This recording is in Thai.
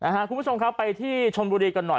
คุณผู้ชมครับไปที่ชนบุรีกันหน่อย